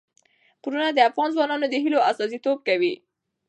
غرونه د افغان ځوانانو د هیلو استازیتوب کوي.